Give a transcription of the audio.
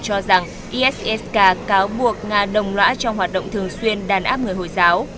cho rằng isis k cáo buộc nga đồng lõa trong hoạt động thường xuyên đàn áp người hồi giáo